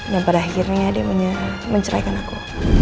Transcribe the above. dan pada akhirnya dia mencerahkan aku